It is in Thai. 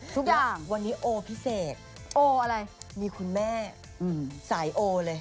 ทุกอย่างวันนี้โอพิเศษโออะไรมีคุณแม่สายโอเลย